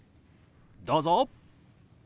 どうぞ。